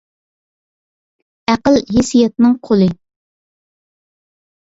ئەقىل ھېسسىياتنىڭ قۇلى.